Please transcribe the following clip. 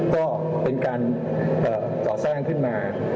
ก็เป็นการก่อสร้างขึ้นมา